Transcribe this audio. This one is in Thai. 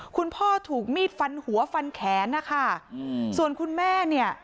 คุณพ่อถูกมีดฟันหัวฟันแขนนะคะอืมส่วนคุณแม่เนี่ย